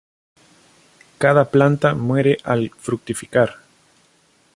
Cada planta muere al fructificar.